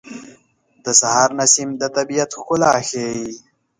د سهار نسیم د طبیعت ښکلا ښیي.